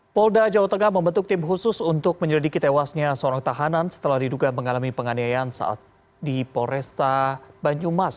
polda jawa tengah membentuk tim khusus untuk menyelidiki tewasnya seorang tahanan setelah diduga mengalami penganiayaan saat di poresta banyumas